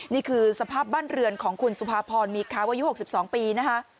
นี่คือสภาพบ้านเรือนของคุณสุภาพรมีค้าอายุ๖๒ปีนะคะ